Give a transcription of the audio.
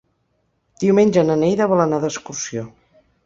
Diumenge na Neida vol anar d'excursió.